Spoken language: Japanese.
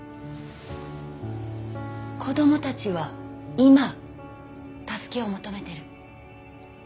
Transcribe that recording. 子供たちは今助けを求めてる。